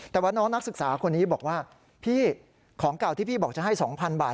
แต่ว่าน้องนักศึกษาคนนี้บอกว่าพี่ของเก่าที่พี่บอกจะให้๒๐๐บาท